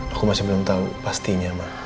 aku masih belum tahu pastinya mbak